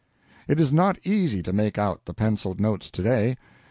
It is not easy to make out the penciled notes today.